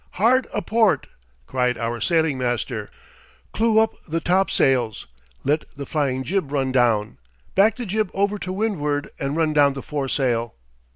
hard a port!" cried our sailing master. "Clew up the topsails! Let the flying jib run down! Back the jib over to windward and run down the foresail!"